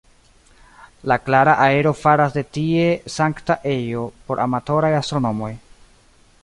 La klara aero faras de tie sankta ejo por amatoraj astronomoj.